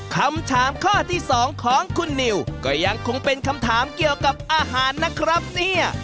คำถามข้อที่๒ของคุณนิวก็ยังคงเป็นคำถามเกี่ยวกับอาหารนะครับเนี่ย